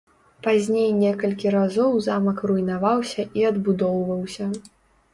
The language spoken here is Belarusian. Пазней некалькі разоў замак руйнаваўся і адбудоўваўся.